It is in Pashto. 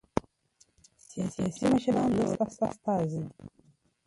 سیاسي مشران د ولس استازي دي